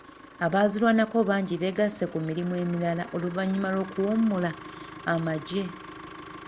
Abaazirwanako bangi beegasse ku mirimu emirala oluvannyuma lw'okuwummula amagye.